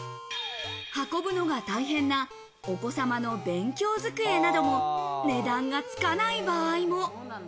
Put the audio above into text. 運ぶのが大変なお子様の勉強机なども、値段がつかない場合も。